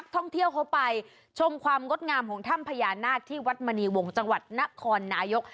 ท่องเที่ยวเขาไปชมความงดงามของถ้ำพญานาคที่วัดมณีวงศ์จังหวัดนครนายก